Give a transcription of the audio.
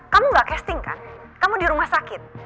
kamu gak casting kan kamu di rumah sakit